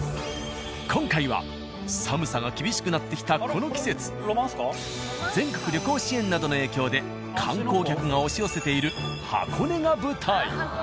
今回は寒さが厳しくなってきたこの季節全国旅行支援などの影響で観光客が押し寄せている箱根が舞台。